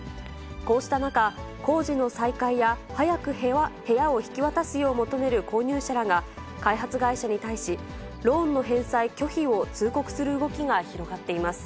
こうした中、工事の再開や早く部屋を引き渡すよう求める購入者らが、開発会社に対し、ローンの返済拒否を通告する動きが広がっています。